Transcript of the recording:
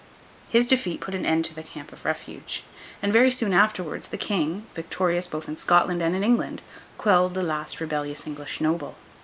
His defeat put an end to the Camp of Refuge; and, very soon afterwards, the King, victorious both in Scotland and in England, quelled the last rebellious English noble.